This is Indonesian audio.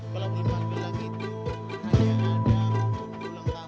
kalau berlaku lagi itu hanya ada pelengkapan